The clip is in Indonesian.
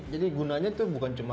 jadi gunanya itu bukan cuma